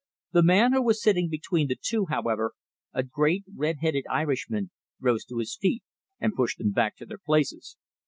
The man who was sitting between the two, however a great red headed Irishman rose to his feet and pushed them back to their places.